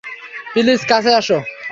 Please, কাছে আসো।